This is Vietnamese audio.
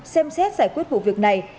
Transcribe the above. xem xét giải quyết vụ việc này